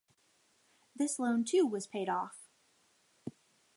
This loan too was paid off.